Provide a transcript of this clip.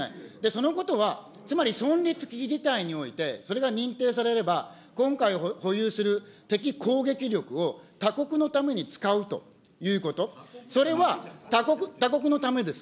そのことは、つまり存立危機事態において、それが認定されれば、今回保有する敵攻撃力を他国のために使うということ、それは他国、他国のためです。